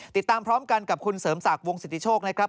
ติดตามพร้อมกันกับคุณเสริมศักดิ์วงสิทธิโชคนะครับ